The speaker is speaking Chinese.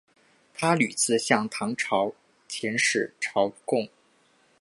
他屡次向唐朝遣使朝贡。